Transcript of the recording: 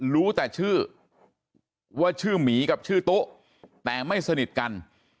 รู้แต่ชื่อว่าชื่อหมีกับชื่อตุ๊แต่ไม่สนิทกัน